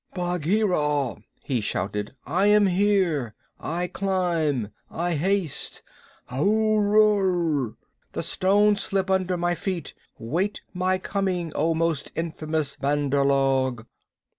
"Bagheera," he shouted, "I am here. I climb! I haste! Ahuwora! The stones slip under my feet! Wait my coming, O most infamous Bandar log!"